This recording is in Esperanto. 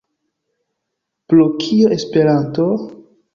Pro kio Esperanto?